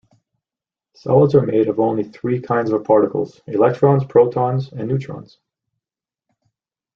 Solids are made of only three kinds of particles: Electrons, protons, and neutrons.